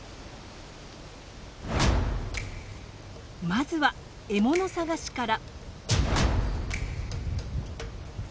まずは獲物探しから。